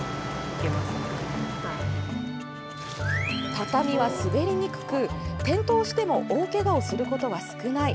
畳は、滑りにくく転倒しても大けがをすることは少ない。